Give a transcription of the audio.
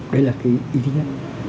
đấy là cái ý nghĩa